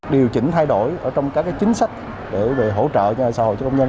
điều chỉnh thay đổi ở trong các cái chính sách để hỗ trợ nhà xã hội cho công nhân